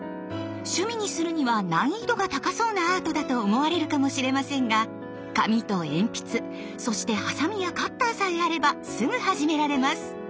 趣味にするには難易度が高そうなアートだと思われるかもしれませんが紙と鉛筆そしてハサミやカッターさえあればすぐ始められます！